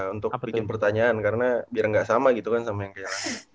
untuk bikin pertanyaan karena biar nggak sama gitu kan sama yang kayak